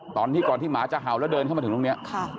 ตอนที่ก่อนที่หมาจะเห่าแล้วเดินเข้ามาถึงตรงนี้